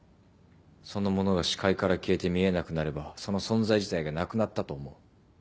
そのものが視界から消えて見えなくなればその存在自体がなくなったと思う。